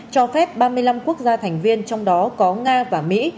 cho phép ba mươi năm quốc gia thành viên trong đó có nga và mỹ